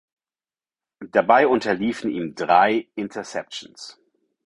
Dabei unterliefen ihm drei Interceptions.